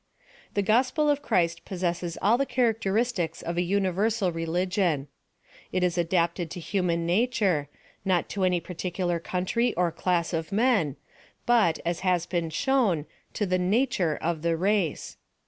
Tile gospel of Christ possesses all the character istics of a universal religion. It is adapted to hu man nature : not to any particular country or class of 7iien ; but, as has been shoivn, to the nature oJ the race.